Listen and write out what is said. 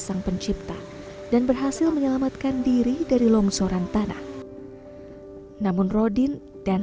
sang pencipta dan berhasil menyelamatkan diri dari longsoran tanah namun rodin dan